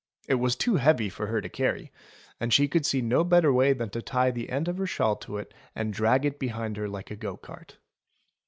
It was too heavy for her to carry, and she could see no better way than to tie the end of her shawl to it and drag it behind her like a go cart.